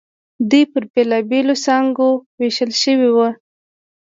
دوی پر بېلابېلو څانګو وېشل شوي وو.